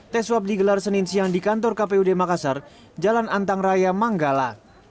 tes swab digelar senin siang di kantor kpud makassar jalan antang raya manggala